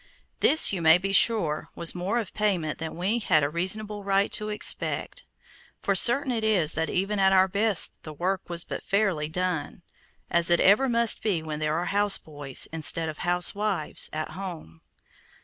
This you may be sure was more of payment than we had a reasonable right to expect, for certain it is that even at our best the work was but fairly done, as it ever must be when there are houseboys instead of housewives at home.